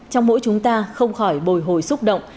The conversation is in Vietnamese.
trong mỗi chúng ta không khỏi bồi hồi xúc động